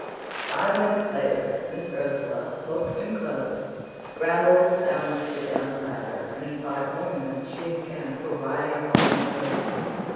"Five minutes later, Miss Ursula, hooded and cloaked, scrambled soundlessly down the ladder, and in five more minutes she and Kenneth were riding along the road.